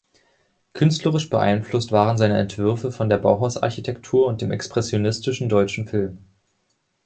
Künstlerisch beeinflusst waren seine Entwürfe von der Bauhaus-Architektur und dem expressionistischen deutschen Film.